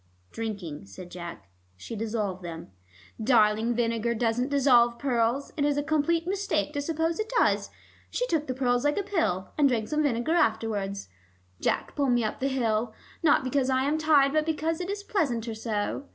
"Drinking," said Jack. "She dissolved them " "Darling, vinegar doesn't dissolve pearls: it is a complete mistake to suppose it does. She took the pearls like a pill, and drank some vinegar afterwards. Jack, pull me up the hill, not because I am tired, but because it is pleasanter so.